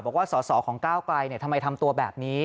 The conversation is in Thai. บอกว่าสอสอของก้าวไกลทำไมทำตัวแบบนี้